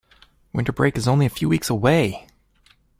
Winter break is only a few weeks away!